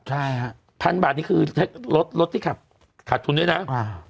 ใช่ฮะพันบาทนี่คือให้รถรถที่ขับขาดทุนด้วยนะอ่า